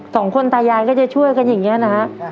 สองคนตายายก็จะช่วยกันอย่างนี้นะฮะ